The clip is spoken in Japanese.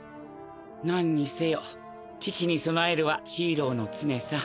何にせよ危機に備えるはヒーローの常さ。